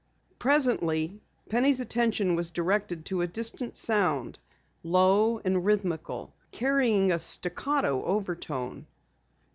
Presently, Penny's attention was directed to a distant sound, low and rhythmical, carrying a staccato overtone.